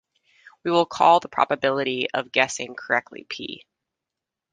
We will call the probability of guessing correctly "p".